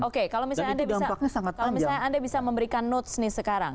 oke kalau misalnya anda bisa memberikan notes nih sekarang